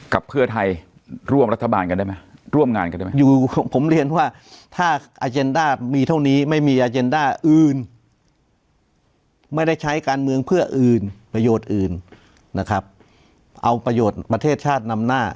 กับเพื่อไทยร่วมรัฐบาลกันได้ไหมร่วมงานกันได้ไหม